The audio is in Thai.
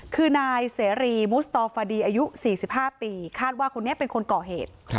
คือนายเสรีมุสตฟดีอายุ๔๕ปีคาดว่าคนนี้เป็นคนก่อเหตุ